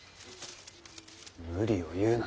無理を言うな。